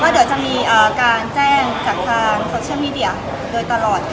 เดี๋ยวจะมีการแจ้งจากทางโซเชียลมีเดียโดยตลอดค่ะ